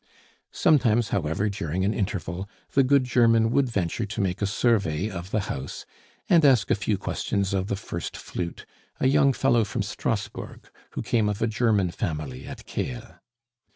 Sometimes, however, during an interval, the good German would venture to make a survey of the house and ask a few questions of the first flute, a young fellow from Strasbourg, who came of a German family at Kehl.